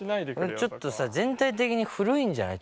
ちょっとさ全体的に古いんじゃない？